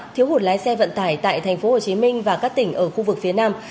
thiếu hụt lái xe vận tải hàng hóa khu vực phía nam